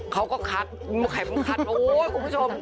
เขาก็คัดมะไขมันคัดโอ้ยคุณผู้ชม